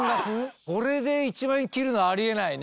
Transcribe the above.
これで１万円切るのはあり得ないね。